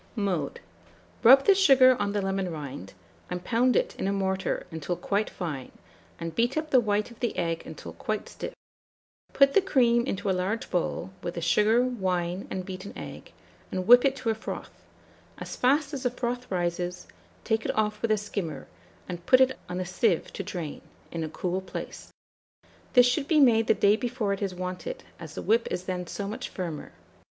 ] Mode. Rub the sugar on the lemon rind, and pound it in a mortar until quite fine, and beat up the white of the egg until quite stiff; put the cream into a large bowl, with the sugar, wine, and beaten egg, and whip it to a froth; as fast as the froth rises, take it off with a skimmer, and put it on a sieve to drain, in a cool place. This should be made the day before it is wanted, as the whip is then so much firmer.